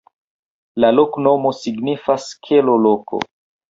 La loknomo signifas: kelo-loko.